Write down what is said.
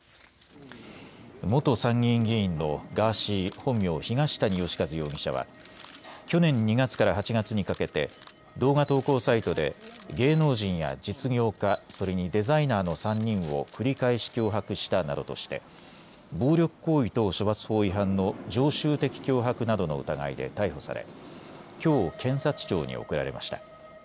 元参議院議員のガーシー、本名・東谷義和容疑者は去年２月から８月にかけて動画投稿サイトで芸能人や実業家、それにデザイナーの３人を繰り返し脅迫したなどとして暴力行為等処罰法違反の常習的脅迫などの疑いで逮捕されきょう検察庁に送られました。